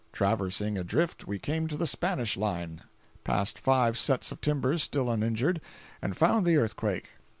Traversing a drift, we came to the Spanish line, passed five sets of timbers still uninjured, and found the earthquake.